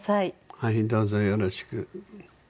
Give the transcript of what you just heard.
はいどうぞよろしく。